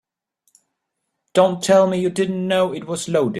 Don't tell me you didn't know it was loaded.